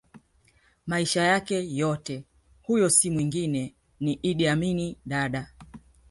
maisha yake yote Huyo si mwengine ni Idi Amin Dada